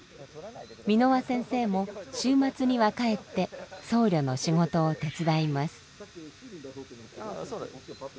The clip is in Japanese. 蓑輪先生も週末には帰って僧侶の仕事を手伝います。